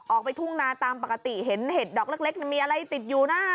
ไปทุ่งนาตามปกติเห็นเห็ดดอกเล็กมีอะไรติดอยู่นะ